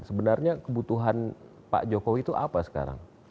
sebenarnya kebutuhan pak jokowi itu apa sekarang